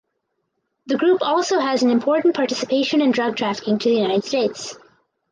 The group also has an important participation in drug trafficking to the United States.